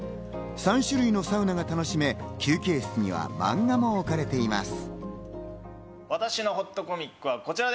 ３種類のサウナが楽しめ、休憩室にはマンガも置かれています。